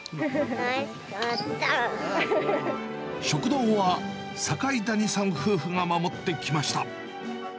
食堂は、境谷さん夫婦が守ってきました。